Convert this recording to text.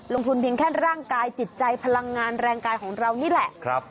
ลงทุนเพียงแค่ร่างกายจิตใจพลังงานแรงกายของเรานี่แหละ